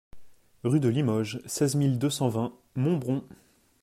Rue de Limoges, seize mille deux cent vingt Montbron